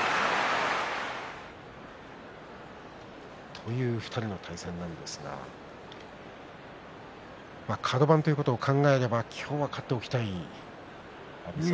という２人の対戦なんですがカド番ということを考えると今日は勝っておきたいですかね。